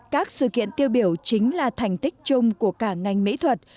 các sự kiện tiêu biểu chính là thành tích chung của cả ngành mỹ thuật